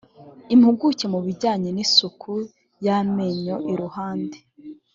impuguke mu bijyanye n isuku y amenyo iruhande